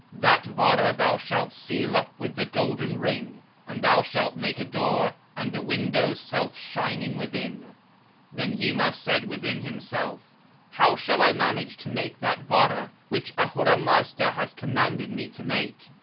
That Vara thou shalt seal up with the golden ring 2, and thou shalt make a door, and a window self shining within.' 31 (93). Then Yima said within himself: 'How shall I manage to make that Vara which Ahura Mazda has commanded me to make?'